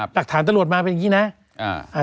หลักฐานตลอดมาเป็นอย่างนี้นะ